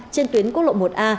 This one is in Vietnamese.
trên tuyến quốc lộ một a